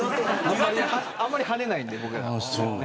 あんまり跳ねないんで、僕らは。